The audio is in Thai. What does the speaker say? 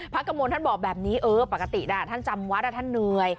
กระมวลท่านบอกแบบนี้เออปกติท่านจำวัดท่านเหนื่อย